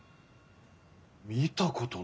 見たことないな。